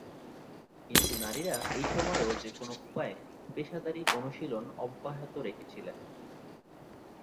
কিন্তু নারীরা এই সময়েও যেকোনো উপায়ে পেশাদারী অনুশীলন অব্যাহত রেখেছিলেন।